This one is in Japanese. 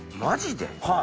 マジで？